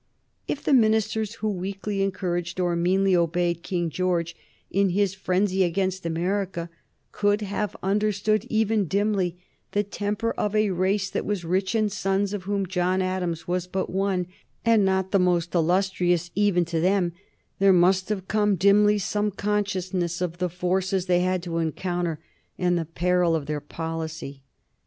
If the ministers who weakly encouraged or meanly obeyed King George in his frenzy against America could have understood even dimly the temper of a race that was rich in sons of whom John Adams was but one and not the most illustrious even to them, there must have come dimly some consciousness of the forces they had to encounter, and the peril of their policy.